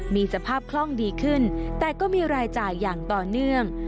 มีสภาพคล่องดีขึ้นแต่ก็มีรายจ่ายอย่างต่อเนื่อง